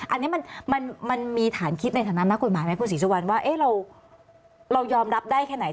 อันนี้มันมีฐานคิดในฐานะนักกฎหมายไหมคุณศรีสุวรรณว่าเรายอมรับได้แค่ไหน